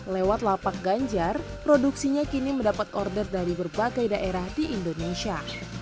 lewat lapak ganjar produksinya kini mendapat order dari berbagai daerah di indonesia